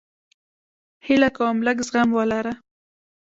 هیله کوم لږ زغم ولره